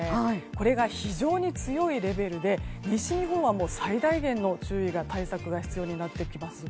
これが非常に強いレベルで西日本は最大限の注意と対策が必要になってきます。